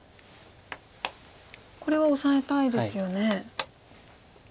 これはオサえたいですよね。